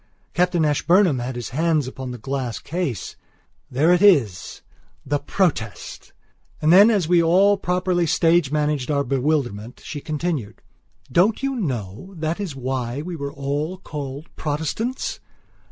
Captain Ashburnham had his hands upon the glass case. "There it isthe Protest." And then, as we all properly stage managed our bewilderment, she continued: "Don't you know that is why we were all called Protestants?